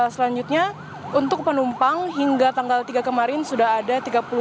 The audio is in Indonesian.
selanjutnya untuk penumpang hingga tanggal tiga kemarin sudah ada tiga puluh tujuh